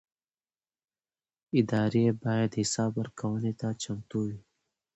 ادارې باید حساب ورکونې ته چمتو وي